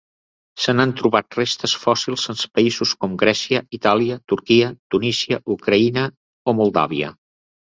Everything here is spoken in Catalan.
Se n'han trobat restes fòssils en països com Grècia, Itàlia, Turquia, Tunísia, Ucraïna o Moldàvia.